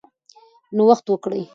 نوښت وکړئ.